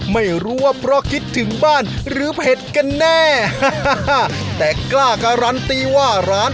ไม่รู้ว่าเพราะคิดถึงบ้านหรือเผ็ดกันแน่แต่กล้าการันตีว่าร้าน